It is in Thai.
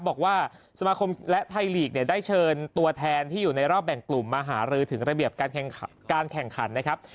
บอกว่าสมาคมและไทยลีกเนี่ยได้เชิญตัวแทนที่อยู่ในรอบแบ่งกลุ่มมาหารือถึงระเบียบการแข่งขันนะครับ